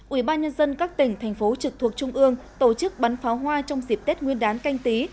ubnd các tỉnh thành phố trực thuộc trung ương tổ chức bắn pháo hoa trong dịp tết nguyên đán canh tí